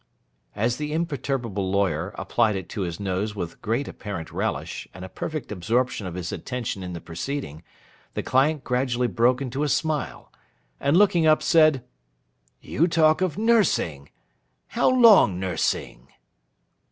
As the imperturbable lawyer applied it to his nose with great apparent relish and a perfect absorption of his attention in the proceeding, the client gradually broke into a smile, and, looking up, said: 'You talk of nursing. How long nursing?